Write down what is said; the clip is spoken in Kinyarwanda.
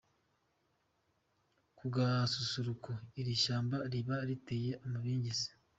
Ku gasusuruko, iri shyamba riba riteye amabengeza.